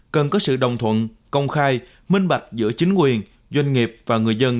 cần có sự đồng thuận công khai minh bạch giữa chính quyền doanh nghiệp và người dân